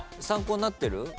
参考になってる？